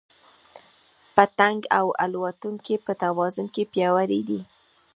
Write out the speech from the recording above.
پتنګ او الوتونکي په توازن کې پیاوړي دي.